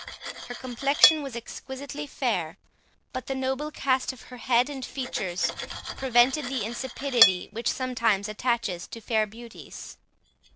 Her complexion was exquisitely fair, but the noble cast of her head and features prevented the insipidity which sometimes attaches to fair beauties.